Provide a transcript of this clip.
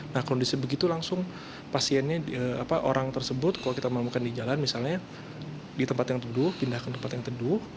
nah kondisi begitu langsung pasiennya orang tersebut kalau kita menemukan di jalan misalnya di tempat yang teduh pindah ke tempat yang teduh